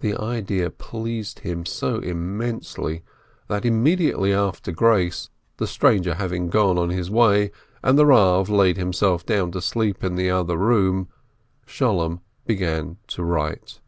The idea pleased him so immensely that immediately after grace, the stranger having gone on his way, and the Eav laid himself down to sleep in the other room, Sholem began to write.